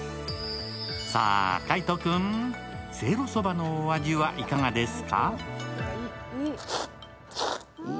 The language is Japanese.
さあ、海音君、せいろそばのお味はいかがですか？